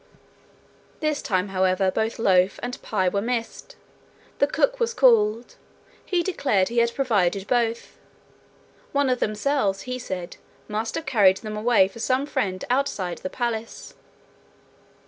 This time, however, both loaf and pie were missed. The cook was called. He declared he had provided both. One of themselves, he said, must have carried them away for some friend outside the palace.